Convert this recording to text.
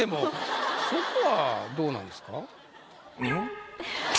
そこはどうなんですか？